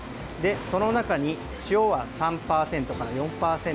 その中に塩は３％から４％